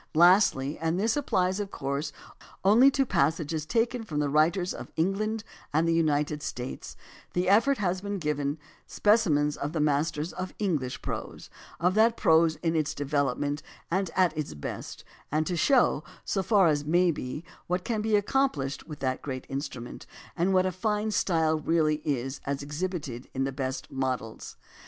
Lastly, and this applies, of course, only to passages taken from the writers of England and the United States, the effort has been to give specimens of the masters of English prose, of that prose in its development and at its best, and to show, so far as may be, what can be accomplished with AS TO ANTHOLOGIES 233 that great instrument, and what a fine style really is as exhibited in the best models.